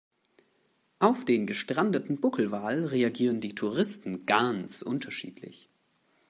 Auf den gestrandeten Buckelwal reagieren die Touristen ganz unterschiedlich.